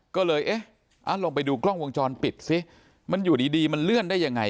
ก็เลยเอ๊ะลองไปดูกล้องวงจรปิดซิมันอยู่ดีมันเลื่อนได้ยังไง